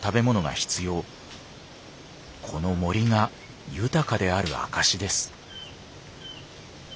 この森が豊かである証しです。